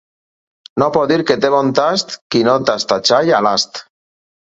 No pot dir que té bon tast qui no tasta xai a l'ast.